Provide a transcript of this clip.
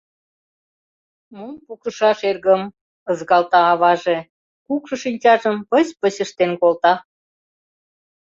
— Мом пукшышаш, эргым? — ызгалта аваже, кукшо шинчажым пыч-пыч ыштен колта.